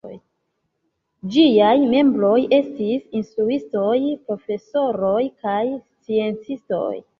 Ĝiaj membroj estis instruistoj, profesoroj kaj sciencistoj.